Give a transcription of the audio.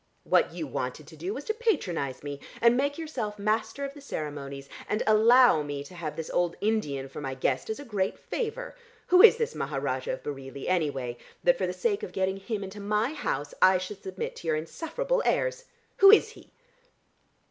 What you wanted to do was to patronise me, and make yourself Master of the Ceremonies, and allow me to have this old Indian for my guest as a great favour. Who is this Maharajah of Bareilly anyway, that for the sake of getting him into my house I should submit to your insufferable airs? Who is he?"